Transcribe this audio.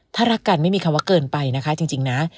ถ้ารักกันไม่มีคำว่าเกินไปนะคะจริงนะ